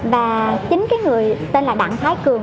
và chính cái người tên là đặng thái cường